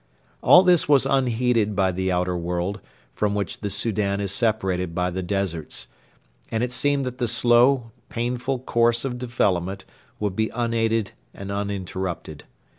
All this was unheeded by the outer world, from which the Soudan is separated by the deserts, and it seemed that the slow, painful course of development would be unaided and uninterrupted.